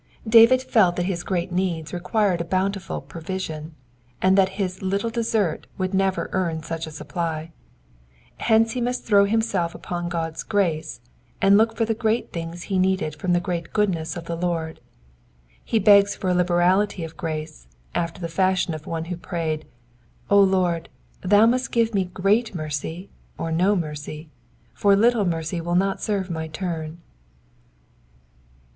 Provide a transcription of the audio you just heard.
David felt that his great needs required a bountiful provision, and that his little desert would never earn such a supply ; hence he must throw himself upon God's grace, and look, for the great things he needed from the great goodness of the Lord. He ' begs for a liberality of grace, after the fashion of one who prayed, *^ O Lord, thou must give me great mercy or no mercy, for Uttle mercy will, not serve my turn.''